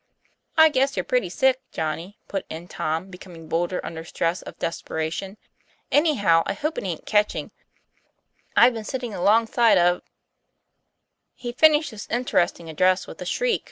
" I guess you're pretty sick, Johnny," put in Tom, becoming bolder under stress of desperation. ;< Any how I hope it aint catching. I've been sitting alongside of " He finished this interesting address with a shriek 88 TOM PLA YFAIR.